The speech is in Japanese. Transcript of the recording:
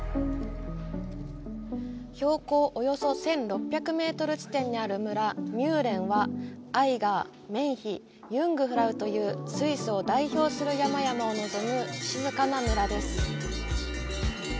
標高およそ１６００メートル地点にある村、ミューレンはアイガー、メンヒ、ユングフラウというスイスを代表する山々を望む静かな村です。